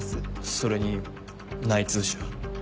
それに内通者。